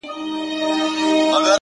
دلته به څه وي تلاوت; دلته به څه وي سجده;